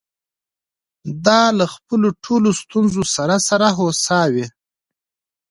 دا له خپلو ټولو ستونزو سره سره هوسا وې.